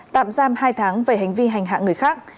tạm giam hai tháng về hành vi hành hạ người khác